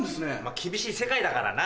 厳しい世界だからな。